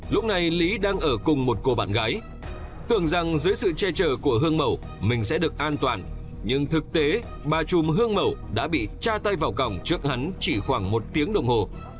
lúc này lý đang ở cùng một cô bạn gái tưởng rằng dưới sự che chở của hương mầu mình sẽ được an toàn nhưng thực tế bà chùm hương mầu đã bị tra tay vào cổng trước hắn chỉ khoảng một tiếng đồng hồ